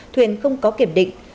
thuyền không có kiểm định